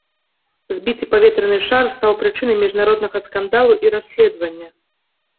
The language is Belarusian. Збіты паветраны шар стаў прычынай міжнароднага скандалу і расследавання.